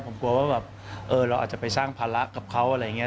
ผมกลัวว่าแบบเราอาจจะไปสร้างภาระกับเขาอะไรอย่างนี้